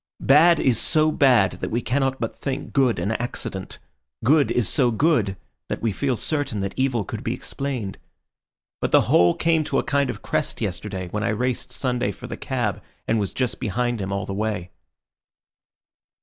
Bad is so bad, that we cannot but think good an accident; good is so good, that we feel certain that evil could be explained. But the whole came to a kind of crest yesterday when I raced Sunday for the cab, and was just behind him all the way."